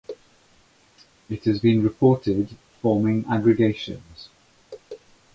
It has been reported forming aggregations.